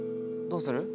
どうするの？